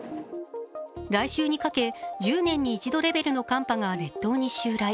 来週にかけ、１０年に一度レベルの寒波が列島に襲来。